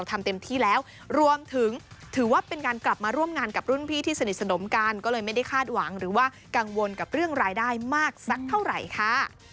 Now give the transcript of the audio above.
ทำเต็มที่แล้วรวมถึงถือว่าเป็นการกลับมาร่วมงานกับรุ่นพี่ที่สนิทสนมกันก็เลยไม่ได้คาดหวังหรือว่ากังวลกับเรื่องรายได้มากสักเท่าไหร่ค่ะ